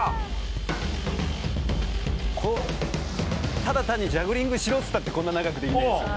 ただ単にジャグリングしろっつったってこんな長くできないですよね。